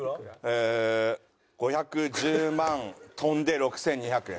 ５１０万飛んで６２００円。